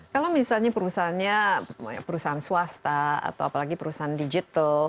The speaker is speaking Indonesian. kalau misalnya perusahaannya perusahaan swasta atau apalagi perusahaan digital